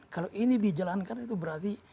kalau ini dijalankan itu berarti